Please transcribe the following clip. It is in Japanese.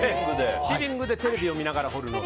リビングでテレビを見ながら彫るのが。